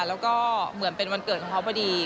แล้วก็เหมือนเป็นวันเกิดของเขาพอดี